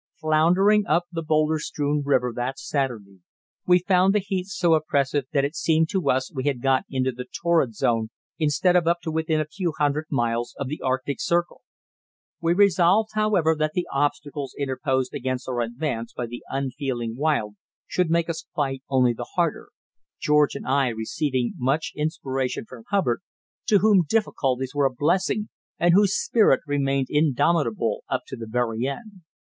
Floundering up the boulder strewn river that Saturday, we found the heat so oppressive that it seemed to us we had got into the torrid zone instead of up to within a few hundred miles of the Arctic Circle. We resolved, however, that the obstacles interposed against our advance by the unfeeling wild should make us fight only the harder, George and I receiving much inspiration from Hubbard, to whom difficulties were a blessing and whose spirit remained indomitable up to the very end.